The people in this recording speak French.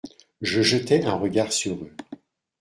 Je jetai un regard sur eux.